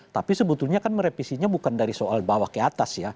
tapi sebetulnya kan merevisinya bukan dari soal bawah ke atas ya